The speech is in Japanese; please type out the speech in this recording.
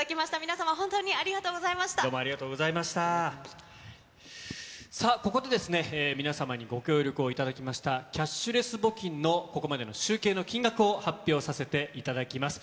さあ、ここでですね、皆様にご協力をいただきました、キャッシュレス募金のここまでの集計の金額を発表させていただきます。